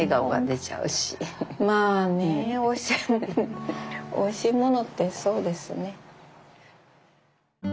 まあねおいしいものってそうですね。